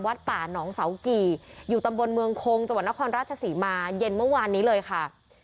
ป่านองเสากี่อยู่ตำบลเมืองคงจังหวัดนครราชศรีมาเย็นเมื่อวานนี้เลยค่ะ